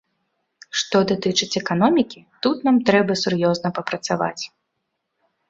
Што датычыць эканомікі, тут нам трэба сур'ёзна папрацаваць.